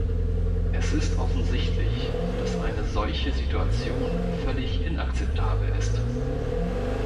Es ist offensichtlich, dass eine solche Situation völlig inakzeptabel ist.